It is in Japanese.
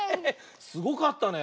すごかったね。